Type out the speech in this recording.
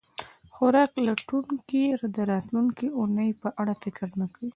خوراک لټونکي د راتلونکې اوونۍ په اړه فکر نه کاوه.